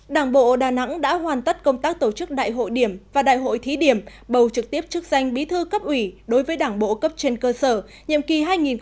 đảng bộ đà nẵng đã hoàn tất công tác tổ chức đại hội điểm và đại hội thí điểm bầu trực tiếp chức danh bí thư cấp ủy đối với đảng bộ cấp trên cơ sở nhiệm kỳ hai nghìn hai mươi hai nghìn hai mươi năm